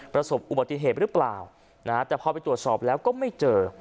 ประสบอุบัติเหตุหรือเปล่านะฮะแต่พอไปตรวจสอบแล้วก็ไม่เจอ